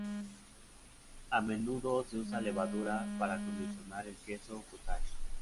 A menudo se usa levadura para acondicionar el queso "cottage".